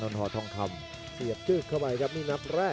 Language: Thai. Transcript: กันต่อแพทย์จินดอร์